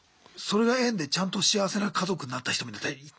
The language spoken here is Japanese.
それが縁でちゃんと幸せな家族になった人もいたり。